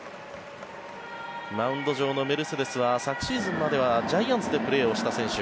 マウンド上のメルセデスは昨シーズンまではジャイアンツでプレーをした選手。